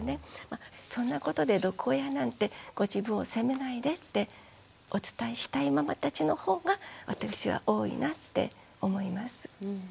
そんなことで毒親なんてご自分を責めないでってお伝えしたいママたちの方が私は多いなって思います。